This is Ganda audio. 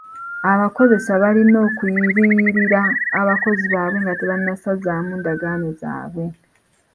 Abakozesa balina okuliyirira abakozi baabwe nga tebannasazaamu ndagaano zaabwe.